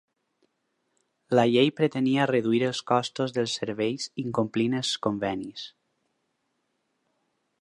La llei pretenia reduir els costos dels serveis incomplint els convenis.